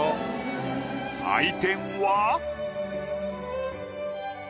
採点は。